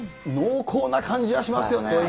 濃厚な感じがしますよね。